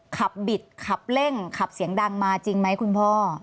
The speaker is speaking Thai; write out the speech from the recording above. บิดขับเร่งขับเสียงดังมาจริงไหมคุณพ่อ